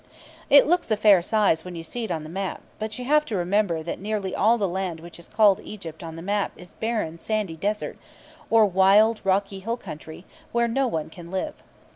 It looks a fair size when you see it on the map; but you have to remember that nearly all the land which is called Egypt on the map is barren sandy desert, or wild rocky hill country, where no one can live.